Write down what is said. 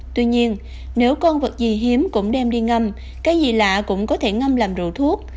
tuy nhiên nếu con vật gì hiếm cũng đem đi ngâm cái gì lạ cũng có thể ngâm làm rượu thuốc